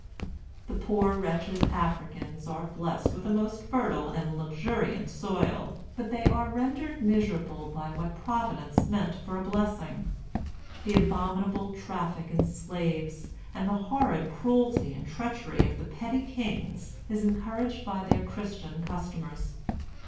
"The poor wretched Africans are blessed with a most fertile and luxuriant soil; but they are rendered miserable by what Providence meant for a blessing. The abominable traffic in slaves, and the horrid cruelty and treachery of the petty kings, is encouraged by their Christian customers.